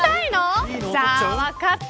じゃあ分かった。